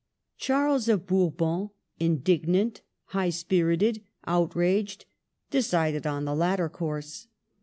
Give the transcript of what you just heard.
Charles of Bourbon, indignant, high spirited, outraged, decided on the latter course.